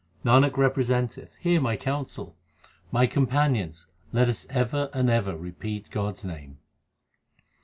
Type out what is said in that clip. Nanak representeth, hear my counsel ; my companions, let us ever and ever repeat God s name.